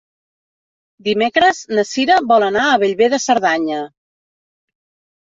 Dimecres na Sira vol anar a Bellver de Cerdanya.